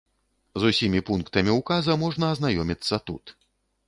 З усімі пунктамі ўказа можна азнаёміцца тут.